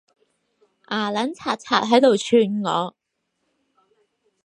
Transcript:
牙撚擦擦喺度串我